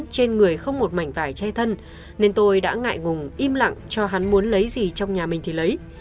trên người không một mảnh vải che thân nên tôi đã ngại ngùng im lặng cho hắn muốn lấy gì trong nhà mình thì lấy